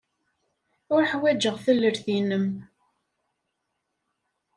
Ur ḥwajeɣ tallalt-nnem.